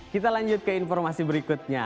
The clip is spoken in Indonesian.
kita lanjut ke informasi berikutnya